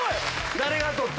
誰が取った？